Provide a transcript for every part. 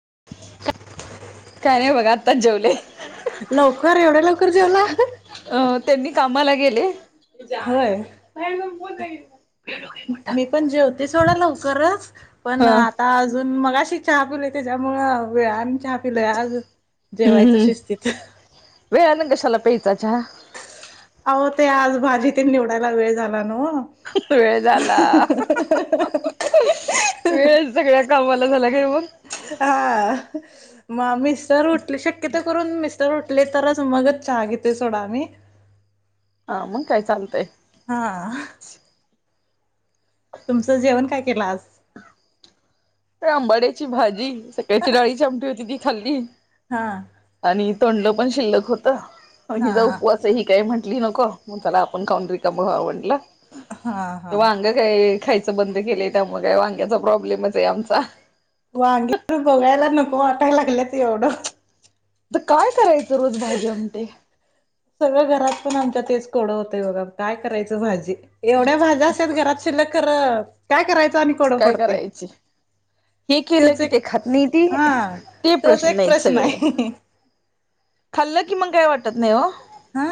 [unintelligible] काय नाही बघा, आत्ताच जेवले. लवकर, एवढ्या लवकर जेवला? [unintelligible] अ त्यांनी कामाला गेले होय. मी पण जेवते सोडं लवकरच पण हम्म आता अजून मग अशी चहा पिले त्याच्यामुळे वेळ आणि चहा पिलाय आज जेवायचं हम्म शिस्तिती तेच्या अहो ते आज भाजीतेन निवडायला वेळ झाला नाओ वेळ झाला वेळ सगळ्या गावाला झाला घेऊन हा म मिस्टर उठली शक्यतो करून मिस्टर म्हटले तरच मगच चहा घेतोय सोडा मी हा मग काय चालतय हा तुमचं जेवण काय केलं आज आंबाड्याची भाजी सकाळीची डाळीची आमटी होती ती खाल्ली हा तोंडल पण शिल्लक होत हा हिचा हा उपवास ही काय म्हण टली नको मग चला आपण खाऊन रिकाम व्हावं म्हटल हा ते हा वांग काय खायचं बंद केलंय त्यामुळे वांग्याचा प्रॉब्लेमच आहे आमचा वांगी [unintelligible] बघायला नको वाटाय लागल्यात एवढं आ काय करायचं रोज भाजी आमटी सगळं घरात पण आमच्या तेच कोडं होतंय बघा काय करायचं भाजी एवढ्या भाज्या असत्यात घरात शिल्लक खर काय करायचं आणि कोडं काय पडतय. करायची हे केलं की ते खात नाहीती हा ते तोच प्रश्न एक आहेत सगळे आहे खाल्लं कि मग काय वाटत नाही ओ हा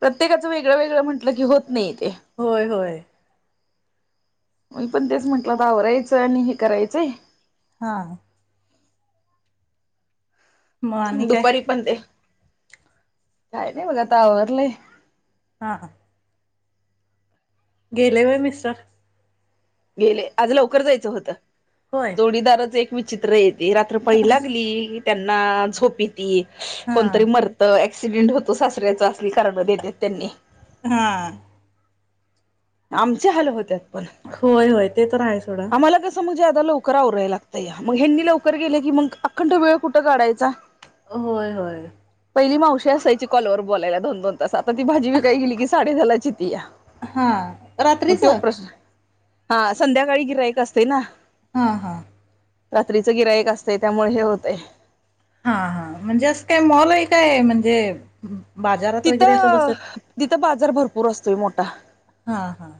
प्रत्येकाचं वेगळं वेगळं म्हटलं की होत नाही ते होय होय मी पण तेच म्हंटल तर आवरायचं आणि हे करायचंय हा मग आणि काय दुपारी पण ते काय नाही बघ आता आवरलंय हा हा गेले होय मिस्टर गेले आज लवकर जायचं होतं होय जोडीदारच एक विचित्र आहेत रात्र पाळी लागली त्यांना झोप येती हा कोणतरी मरत एक्सिडेंट होतो सासऱ्याचा असली कारण देतेत त्यांनी हा आमच्या हाल होत्यात पण होय होय ते तर आहे सोडा आम्हाला कसं मग लवकर आवराय लागतया मग ह्यानी लवकर गेले की मग अखंड वेळ कुठं काढायचा होय होय पहिली मावशी असायची कॉलवर बोलायला दोन दोन तास आता ती भाजी विकायला गेली की साडे दहाला चा येतीया हा रात्रीच हा संध्याकाळी गिराईक असतय ना हा हा रात्रीचं गिरायक असतंय त्यामुळे हे होतय हा हा म्हणजे असं काय मॉल आहे काय म्हणजे बाजारात वगैरे असं तिथं बसत तिथं बाजार भरपूर असतोय मोठा हा हा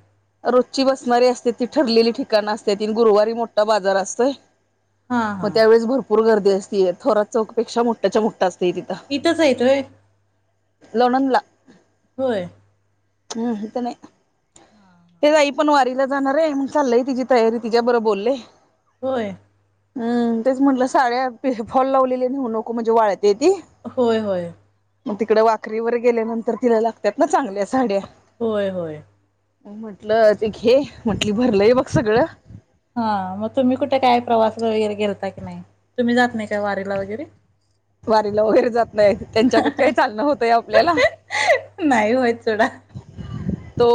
रोजची बसणारी असत्यात ती ठरलेली ठिकाणं असत्याती ती गुरुवारी मोठा बाजार असतोय हा हा मग त्यावेेळेस भरपूर गर्दी असती थोरात चौकपेक्षा मोठ्याच्या मोठ्या अस इथंच येतोय लोणंदला होय. हम्म इथे नाही तेच आई पण वारीला जाणार आहे मग चाललीया तिची तयारी तिच्या बरोबर बोललेय होय हम् तेच म्हंटलं साड्या फॉल लावलेली नेऊ नको म्हणजे वाळते ते होय होय मग तिकडे वाखरीवर गेल्यानंतर तिला लागतात ना चांगले अस होय होय म्हंटलं ते घे म्हंटली भरलंय बघ सगळं हा मग तुम्ही कुठे काय प्रवास वगैरे गेलता की नाही तुम्ही जात नाही का वारीला वगैरे वारीला वगैरे जात नाहीय त्यांच्याक काही चालण होतय आपल्याला नाही होय तेवढा तो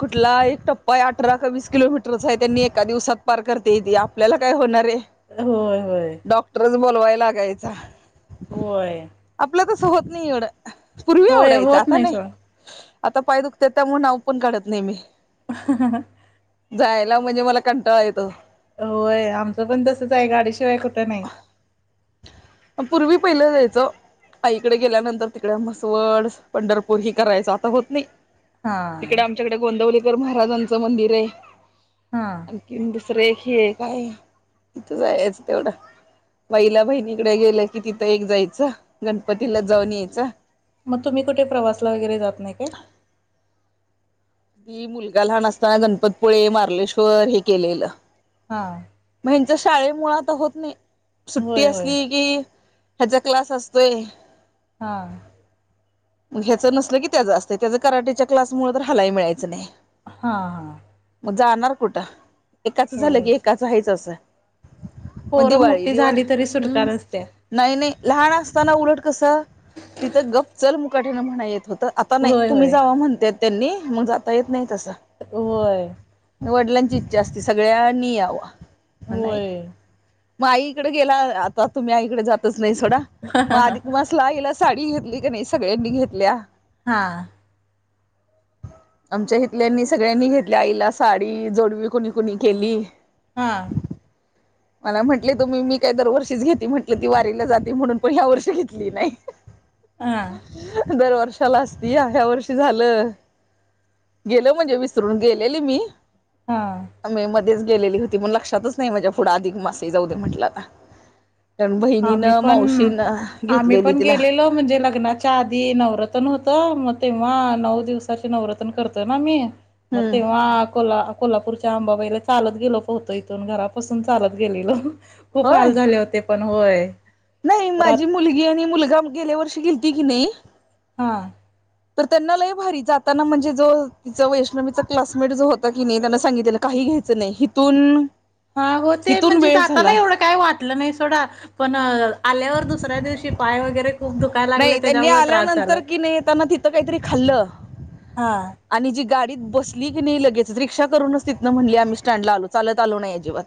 कुठला एक टप्पा आहे अठरा का वीस किलोमीटरचा आहे त्यांनी एका दिवसात पार करते येते आपल्याला काय होणार आहे होय होय डॉक्टरच बोलवाय लागायचा व्हय अस होत नाही एवढं पूर्वी आवडायचं होत आता नाही सोडा आता पाय दुखते त्यामुळे नाव पण काढत नाही मी हा हा जायला म्हणजे मला कंटाळा येतो होय आमचं पण तसच आहे गाडीशिवाय कुठं नाही म पूर्वी पहिलं जायचं आईकडे गेल्यानंतर तिकडे म्हसवड पंढरपूर हि करायचं आता होत नाही हा तिकडे आमच्याकडे गोंदवलीकर महाराजांचं मंदिर आहे हा आणखीस रेखी आहे काय इथ जाचं तेवढा पहिला बहिणीकडे गेलं की तिथं एक जायचं गणपतीला जाऊन यायच मग तुम्ही कुठे प्रवासला वगैरे जात नाही काय मी मुलगा लहान असताना गणपतपुळे मार्लेश्वर हे केलेलं हा त्यांच्या शाळे मुळात होत नाही सुट्टी होय होय असली की ह्याचा क्लास असतोय हा ह्याचं नसलं की त्याचं असत त्याच कराटीच्या क्लासमुळे तर हलाई मिळायचं नाही हा हा मग जाणार कुठं एकाचं झालं होय की एकाचं आहेच असं मग पोरं दिवाळी मोठी दिवाळी झाली तरी सुटका हम्म नसत्या नाही नाही लहान असताना उलट कसं तिथं गप् चल मुकाटण म्हणा येत होत आता नाही होय तुम्ही होय जाव म्हणता त्यांनी मग जाता येत नाही तस होय वडिलांची इच्छा असती सगळ्यांनी यावं नाही होय मग आई इकडे गेला आता तुम्ही आईकडे जातच नाही सोडा मग आधी तुमला गेला साडी घेतली का नाही सगळ्यांनी घेतल्या हा आमच्या इथल्यांनी सगळ्यांनी घेतल्या आईला साडी जोडवी कुणी कुणी केली हा मला म्हटले तुम्ही मी काय दरवर्षीच घेते म्हटलं ती वारीला जाते म्हणून पण ह्या वर्षी घेतली नाही हां, दरवर्षी कशाला असती ह्या वर्षी झालं गेल म्हणजे विसरून गेलेली मी हा च गेलेली होती मण लक्षातच नाही माझ्या पुढं अधिक मासे जाऊ दे म्हटलं आता कारण आम्ही बहिणीनं पण मावशीनं आम्ही घेतलेली पण तिला गेलेलो म्हणजे लग्नात. च्या आधी नवरातन होतं मग तेव्हा नऊ दिवसाचे नवरत्न करतोय ना मी म हम्म तेव्हा कोला कोल्हापूर. आंबाबाईला चालत गेलो होतो इथून घरापासून चालत गेलेलो खूप हाल होय झाले होते. पण होय. नाही माझी रात मुलगी आणि मुलगा गेल्या वर्षी गेलती की नाही. हा. तर त्यांना लय भारी जाताना म्हणजे जो तिचा वैष्णवीचा क्लासमेट जो होता की नाही त्यांना सांगितलेलं काही घ्यायच नाही हिथून. हा हो ते हिथून म्हणजे वेळ जाताना झाला एवढं काही वाटलं नाही सोडा पण आल्यावर दुसऱ्या दिवशी पाय वगैरे. खूप दुखायला लागले नाही त्यांनी त्याच्यामुळे त्रास आल्यानंतर झालाय. कि नाही त्यांना तिथं काहीतरी खाल्लं. हा. आणि जी गाडीत बसली की नाही लगेच रिक्षा करूनच तितन ना म्हली आम्ही स्टँडला आलो चालत आलो नाही अजिबात.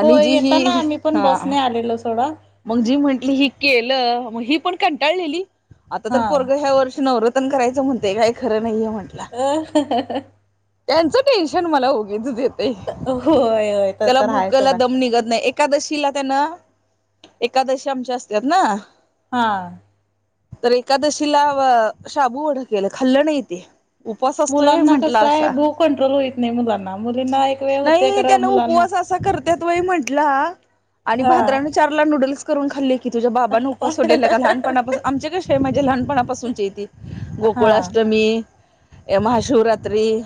हो जी येताना ही आम्ही पण हा बसने आलेलो सोडा. मग जी म्हंटली ही केलं मग ही पण कंटाळलेली आता हा तर परग ह्या वर्षी नवर करायच म्हणते काय खरं नाहीेण. ह त्यांचं टेन्शन मला उगीचच येतय होय होय तर त्याला तर हाय भूकला सोडा दम निघत नाही. एकादशीला त्यानं एकादशी आमच्या असतात ना. हा. तर एकादशीला शाबू वडे केलं खाल्लं नाही ते. उपास असतोय व्हय मुलांना म्हटलं कसं आहे असा. भू कंट्रोल होईत नाही मुलांना. मुलींना एक वेळ होते नाही खरं त्यान मुलांना उपवास असा करत्यात वई म्हंटला. आणि हा भाद्रान चार ला नूडल्स करून खाल्ली. की तुझ्या बाबानं उपास सोडलेला का लहानपणापासून आमचे कसे आहे म्हणजे लहानपणापासूनचेे हा गोकुळ असत महाशिवरात्री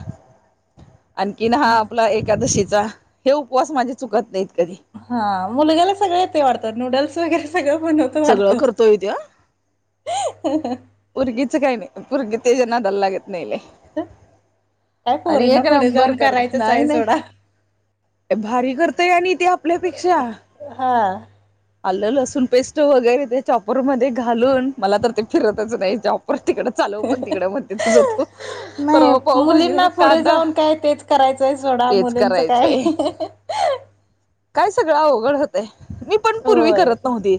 आणखीन हा आपला एकादशी. हे उपवास माझे चुकत नाहीत. कधी हा मुलग्याला सगळे येतंय वाढत नूडल्स वगैरे. सगळं बणवतो वाढत. सगळं करतोय त्यो पोरगीच काही नाही पुूरगी त्याचा नादाला लागत नाही लई. काय आणि एक पोरींना पुढे नंबर जाऊन करत करायचंच नाही आहे नाही. सोडा भारी करतय आणि ते आपल्यापेक्षा. हा आलं लसूण पेस्ट वगैरे ते चॉपर मध्ये घालून मला तर ते फिरतच नाही चॉप तिकड चालव पण तिकड महाणत्या तुज तु नाही परवा पाऊभजी कांदा. यचय सोडा तेच मुलींचं काय. करायचंय काय सगळं अवघड होतय मी पण पूर्वी होय करत नव्हती.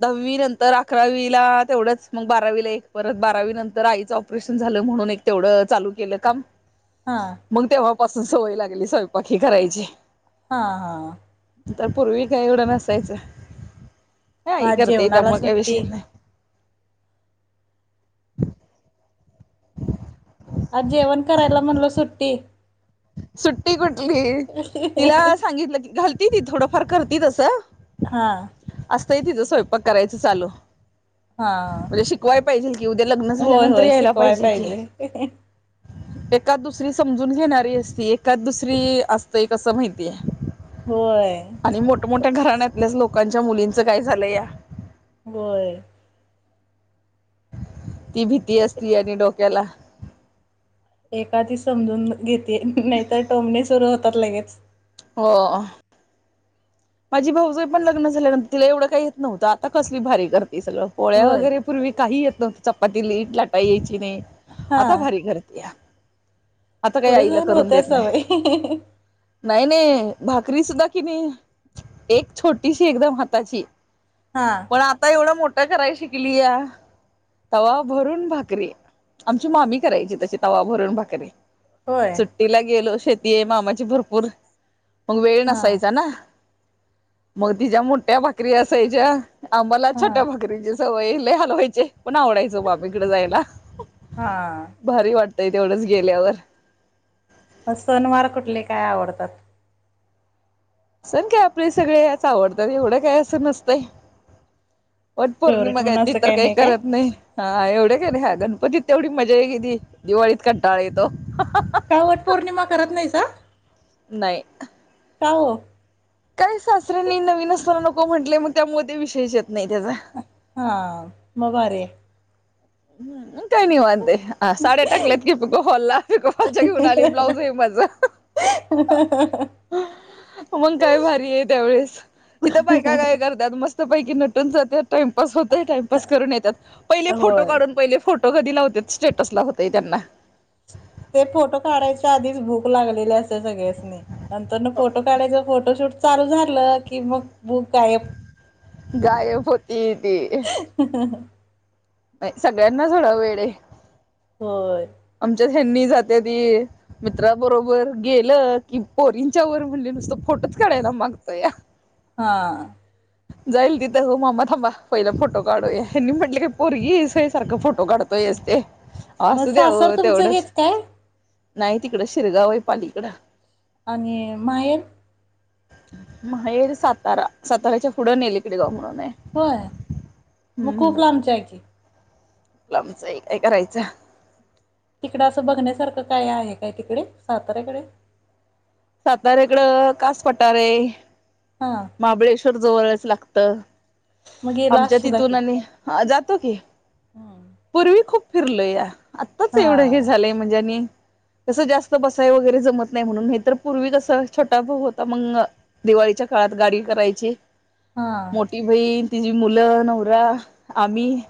दहावी नंतर अकरावीला तेवढंच मग बारावीला एक परत बारावी नंतर आईचं ऑपरेशन झालं म्हणून. तेवढं चालू. केलं काम हा मग तेव्हापासून सवय लागली स्वयंपाकी करायची. हा हा. तर पूर्वी काय एवढं नसायचं. मग आई आज करते ये जेवणाला त्यामुळेग काय सुट्टी विषय नाही. आज जेवण करायला म्हणल सुट्टी. सुट्टी कुठली तिला सांगितलं की घालती ती थोडंफार करती तसं. हा. त आहे तिथं स्वयंपाक करायचं चालू. हा म्हणजे शिकवायला पाहिजे कि उद्या लग्न होय झाल्यानंतर होय यायला शिकवाय पाहिजे कि. एकाद दुसरी समजून घेणारी असती एकाद दुसरी असतेय कसं माहितीय होय आणि मोठमोठ्या घराण्यातल्याच लोकांच्या मुलींचं काय झालं या बय ती भीती असती आणि डोक्याला एखादी समजून घेते नाहीतर टोंबणी सुरू होतात लगेच हो माझी भाऊजय पण लग्न झाल्यानंतर तिला एवढं काही येत नव्हतं आता कसली भारी करत ते सगळं पोळ्या होय वगैरे पूर्वी काही येत नव्हत चपाती लीट लाटा यायची ति नाही हा आता भारी करतीया. आता काही पुढे आईला जाऊन करून होत्या देत नाही. सवय नाही नाही भाकरी सुद्धा कि नई एक छोटीशी एकदम हाताची. हा पण आता एवढं मोठं कराय शिकलीया तवा भरून भाकरीे आमची मामी करायची तशी तवा भरून भाकरीे. होय सुट्टीला गेलो शेतीय मामाची भरपूर. मग वेळ हा नसायचा ना मग तिच्या मोठ्या भाकरी असायच्या आम्हाला हा छोट्या भाकरीची सवय लय हालवायचे पण आवडायच मामीकड जायला. हा भारी वाटतंय तेवढंच गेल्यावर. सनवार कुठले काय आवडतात. सण काय आपले सगळे याच आवडत एवढं काय असं नसतंय. वट फेवरेट पौर्णिमा काय म्हणून ती असं तर काही काय नाही करत नाही हा एवढी काय नाही हा गणपतीत तेवढी मजा एक येती दिवाळीत कंटाळा येतो. काय वटपौर्णिमा करत नाहीसा. नाही का ओ काही सासऱ्यांनी नवीन असताना नको म्हंटलय मग त्यामुळ म ते विषयच येत नाही त्याचा हा म भारीय. काय नाही निवांतय ह साड्या टाकल्यात की पिकोफॉलला पिकोफॉलच्या घेऊन आली ब्लाऊज आहे माझ. [inaudible] मग काय भारी आहे त्यावेळेस इथं बायका काय करत्यात मस्त पैकी नटून जात्यात टाइमपास होतंय टाइमपास करून येत्यात पहिले फोटो होय काढून पहिले फोटो फोटो कधी लावत्यात हुतय स्टेटस ला हुतय त्यांना. ते फोटो काढायच्या आधीच भूक लागलेली अस सगळ्यासनी नंतरन फोटो काढायचा फोटोशूट चालू झालं की मग भूक गायब. गाय पतीती सगळ्यांना झाडव वेड हाय. होय. ह्यांनी जात्याती मित्राबरोबर गेलं की पोरींच्या वर म्हणले नुसत फोटो कडायला मागतया [inaudible] जाईल तिथं हो मा्मा थांबा पहिला फोटो काढूया ह्यांनी म्हटले का पोरगीसय सारखं फोटो काढतोय. मग असू दे ओ सासर तुमचं तेवढंच. हेच काय? नाही तिकडं शिरगाव आहे पालीकडं. आणि माहेर? माहेर सातारा सातार्याच्या पुढं नेल इकडे गाव म्हणून. आहे. होय मग खूप लांबच्या आहे की. लांबचय काय करायचं. तिकड असं बघण्यासारखं काय आहे काय तिकडे साताऱ्याकडे. साताऱ्याकड कास पटार आहे हा. महाबळेश्वर जवळच लागत. मग गेला आमच्या असशीला तिथून की आणि जातो की हम्म. पूर्वी खूप फिरलोया आत्ताच हा एवढं हे झालंय म्हणजे आणि तस जास्त बसाय वगैरे जमत नाही म्हणून नाहीतर पूर्वी कस छोटा भाऊ होता मग दिवाळीच्या काळात गाडी करायची हा. मोठी बहीण तिचीी मुलं नवरा आम्ही..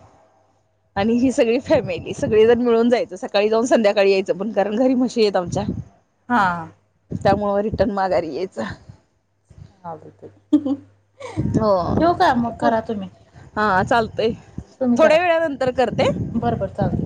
आणि ही सगळी फॅमिली सगळे जण मिळून जायचं सकाळी जाऊन संध्याकाळी यायचं पण कारण घरी म्हशी येत आमच्या.. हा हा. त्यामु रिटर्न माघारी यायच. [unintelligible] हो ठेवू का मग प करा तुम्ही हा चालतंय. तुम्ही करा थोड्या वेळा नंतर करते. बरं बरं चालतंय.